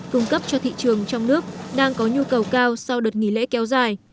cung cấp cho thị trường trong nước đang có nhu cầu cao sau đợt nghỉ lễ kéo dài